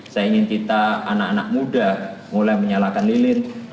saya ingin kita anak anak muda mulai menyalakan lilin